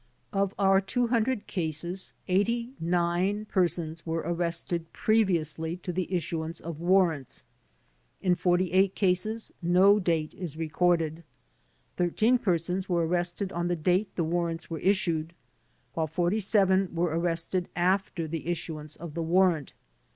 Of our two hundred cases, 89 persons were arrested previously to the issuance of warrants. In 48 cases no date is recorded. Thirteen persons were arrested on the date the warrants were issued, while 47 were arrested after the issuance of the warrant.